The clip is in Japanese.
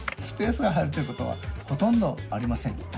スペースが入るということはほとんどありません。